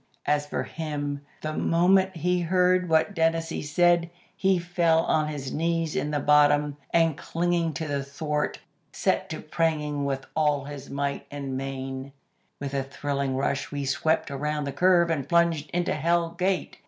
As for him, the moment he heard what Dennazee said, he fell on his knees in the bottom, and, clinging to the thwart, set to praying with all his might and main. "With a thrilling rush we swept around the curve and plunged into Hell Gate.